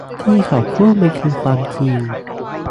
ที่เขาพูดมันคือความจริง